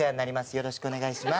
よろしくお願いします。